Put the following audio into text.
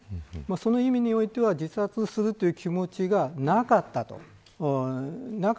その意味においては、自殺するという気持ちがなかったか。